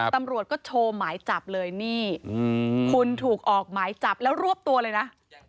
ตำรวจก็โชว์หมายจับเลยนี่คุณถูกออกหมายจับแล้วรวบตัวเลยนะ